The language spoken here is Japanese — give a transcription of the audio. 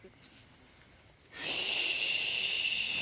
よし。